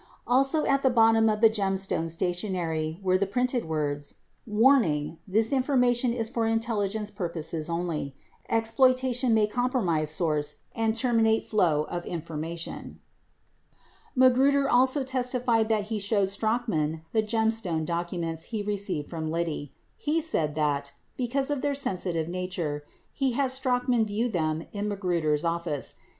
Also at the bottom of the Gemstone stationery were the printed words, "Warning, this information is for intelligence purposes only. Exploita tion may compromise source and terminate flow of information." 53 Magruder also testified that he showed Strachan the Gemstone docu ments he received from Liddy. He said that, because of their sensitive nature, he had Strachan view them in Magruder's office.